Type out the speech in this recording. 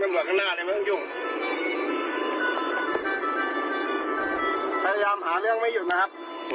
พยายามหาเรื่องไม่หยุดนะครับ